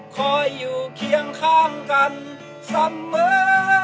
คอยอยู่เคียงข้างกันเสมอ